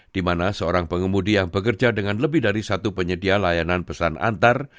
di mana seorang pengemudi yang bekerja dengan lebih dari satu penyedia layanan pesan antar